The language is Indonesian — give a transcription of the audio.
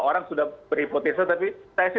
orang sudah berhipotesa tapi saya sih